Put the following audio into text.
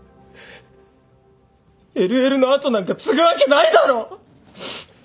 ＬＬの後なんか継ぐわけないだろ！